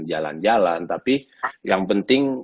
jalan jalan tapi yang penting